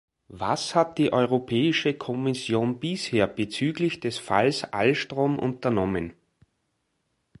Was hat die Europäische Kommission bisher bezüglich des Falls Alstom unternommen?